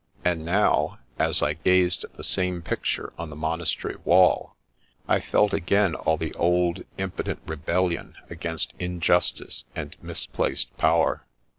and now, as I gazed at the same picture on the monastery wall, I felt again all the old, impotent rebellion against in justice and misplaced power.